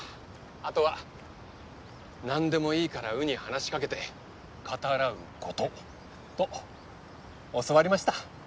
あとは何でもいいから鵜に話し掛けて語らうことと教わりました。